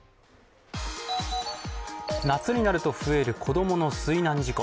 夏になると増える子供の水難事故。